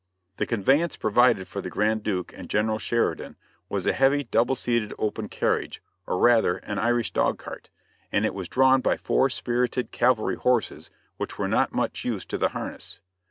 The conveyance provided for the Grand Duke and General Sheridan was a heavy double seated open carriage, or rather an Irish dog cart, and it was drawn by four spirited cavalry horses which were not much used to the harness.